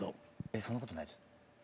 えそんなことないです。